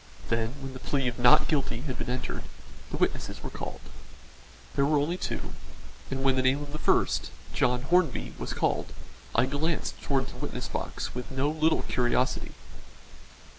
Then, when the plea of "not guilty" had been entered, the witnesses were called. There were only two, and when the name of the first, John Hornby, was called, I glanced towards the witness box with no little curiosity.